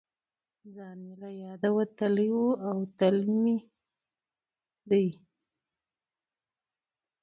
ځان مې له یاده وتلی و او تل مې دې